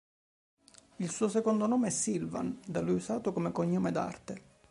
Il suo secondo nome è Sivan, da lui usato come cognome d'arte.